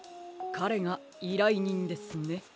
かれがいらいにんですね。